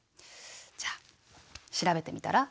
じゃあ調べてみたら？